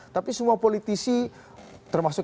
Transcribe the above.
tapi semua politisi termasuk